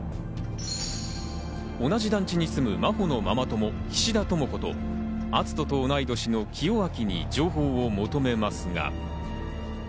同じ団地に住む真帆のママ友・菱田朋子と篤斗と同い年の清明に情報を求めますが。